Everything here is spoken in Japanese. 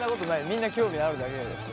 みんな興味あるだけだよ。